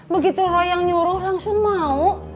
begitu roy yang nyuruh langsung mau